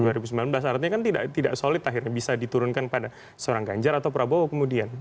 artinya kan tidak solid akhirnya bisa diturunkan pada seorang ganjar atau prabowo kemudian